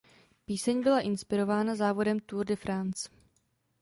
Píseň byla inspirována závodem Tour de France.